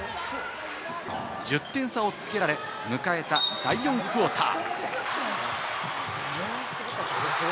１０点差をつけられ、迎えた、第４クオーター。